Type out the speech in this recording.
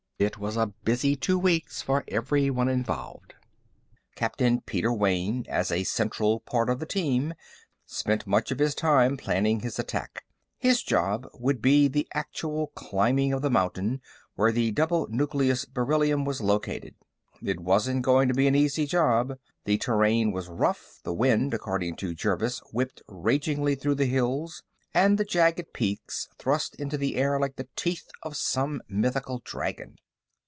It was a busy two weeks for everyone involved. Captain Peter Wayne, as a central part of the team, spent much of his time planning his attack. His job would be the actual climbing of the mountain where the double nucleus beryllium was located. It wasn't going to be an easy job; the terrain was rough, the wind, according to Jervis, whipped ragingly through the hills, and the jagged peaks thrust into the air like the teeth of some mythical dragon.